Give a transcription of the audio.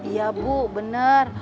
iya bu bener